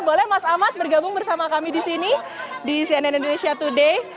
boleh mas ahmad bergabung bersama kami di sini di cnn indonesia today